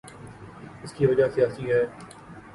اس کی وجہ سیاسی ہے۔